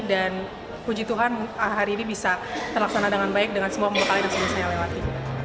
dan puji tuhan hari ini bisa terlaksana dengan baik dengan semua pembekali dan sebagainya yang lewati